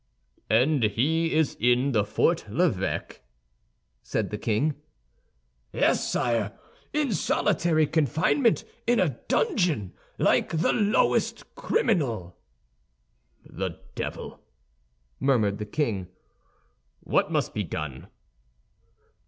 "And he is in the Fort l'Evêque?" said the king. "Yes, sire, in solitary confinement, in a dungeon, like the lowest criminal." "The devil!" murmured the king; "what must be done?"